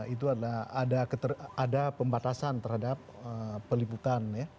itu adalah ada pembatasan terhadap peliputan ya